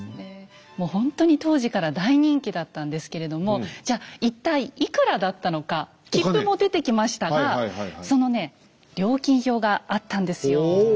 もうほんとに当時から大人気だったんですけれどもじゃ一体いくらだったのか切符も出てきましたがそのね料金表があったんですよ。